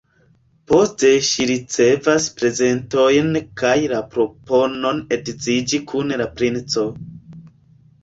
Poste ŝi ricevas prezentojn kaj la proponon edziĝi kun la princo.